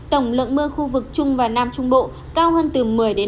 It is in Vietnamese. tổng lượng mưa khu vực trung và nam trung bộ cao hơn từ một mươi ba mươi